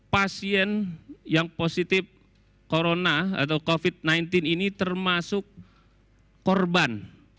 pasien yang positif corona atau covid sembilan belas ini termasuk korban